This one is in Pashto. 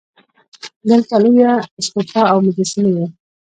دلته لویه استوپا او مجسمې وې